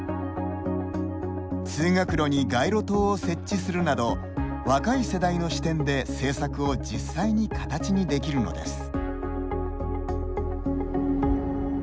通学路に街路灯を設置するなど若い世代の視点で政策を実際に形にできるのです。